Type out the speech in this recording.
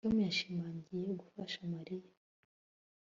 Tom yashimangiye gufasha Mariya